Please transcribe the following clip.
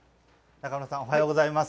中丸さん、おはようございます。